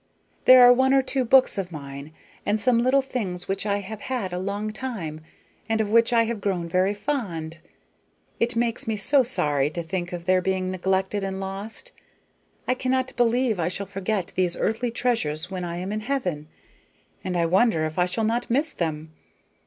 There are one or two books of mine and some little things which I have had a long time, and of which I have grown very fond. It makes me so sorry to think of their being neglected and lost. I cannot believe I shall forget these earthly treasures when I am in heaven, and I wonder if I shall not miss them.